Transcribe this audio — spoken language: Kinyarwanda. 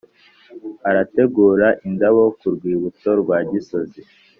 Arategura indabo ku rwibutso rwa Gisozi